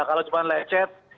kalau cuma lecet